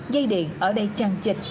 dây điện ở đây chằn chịch